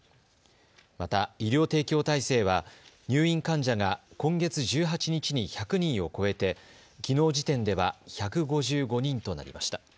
また、医療提供体制は入院患者が今月１８日に１００人を超えてきのう時点では１５５人となりました。